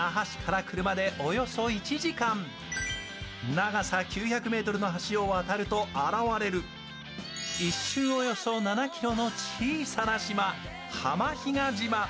長さ９００ｍの橋を渡ると現れる、１周およそ７ｋｍの小さな島、浜比嘉島。